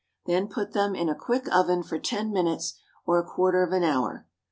Then put them in a quick oven for ten minutes or a quarter of an hour.